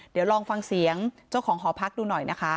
เดี๋ยวลองฟังเสียงเจ้าของหอพักดูหน่อยนะคะ